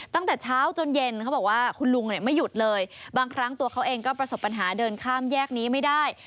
ตั้งแต่เช้าจนเย็นเขาบอกว่าคุณลุงเนี่ยไม่หยุดเลยบางครั้งตัวเขาเองก็ประสบปัญหาเดินข้ามแยกนี้ไม่ได้